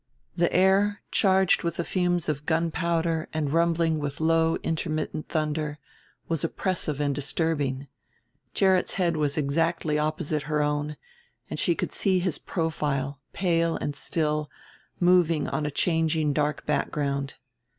The air, charged with the fumes of gunpowder and rumbling with low intermittent thunder, was oppressive and disturbing. Gerrit's head was exactly opposite her own, and she could see his profile, pale and still, moving on a changing dark background.